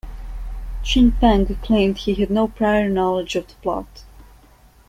Chin Peng claimed he had no prior knowledge of the plot.